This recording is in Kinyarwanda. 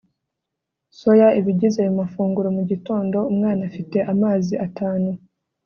soya ibigize ayo mafunguro mu gitondo umwana afite amazi atanu